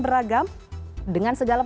kemarin ada ppkm